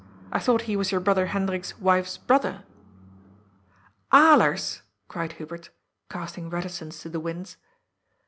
I thought he was your brother Hendrik's wife's brother? "" Alers !" cried Hubert, casting reticence to the winds.